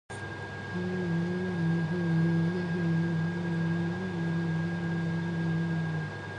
Such a ceiling effect is often the result of constraints on data-gathering instruments.